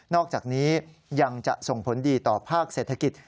อกจากนี้ยังจะส่งผลดีต่อภาคเศรษฐกิจ